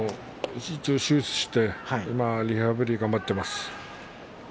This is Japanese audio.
手術してリハビリを頑張っています。